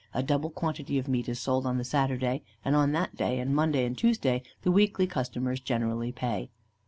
A double quantity of meat is sold on the Saturday; and on that day and Monday and Tuesday, the weekly customers generally pay."